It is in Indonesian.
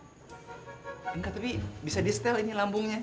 enggak tapi bisa di stel ini lambungnya